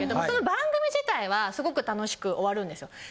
その番組自体はすごく楽しく終わるんですよ。